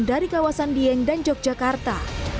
dari kawasan dieng dan yogyakarta